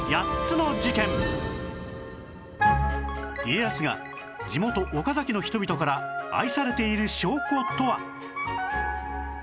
家康が地元岡崎の人々から愛されている証拠とは？